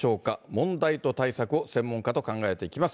問題と対策を専門家と考えていきます。